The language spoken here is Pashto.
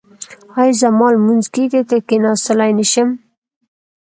ایا زما لمونځ کیږي که کیناستلی نشم؟